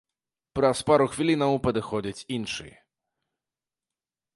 Праз пару хвілінаў падыходзіць іншы.